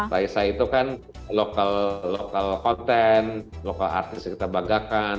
raisa itu kan lokal konten lokal artis yang kita banggakan